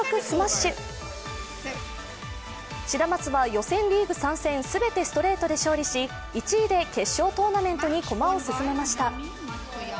シダマツは予選リーグ３戦、全てストレートで勝利し１位で決勝トーナメントに駒を進めました。